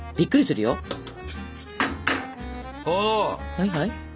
はいはい？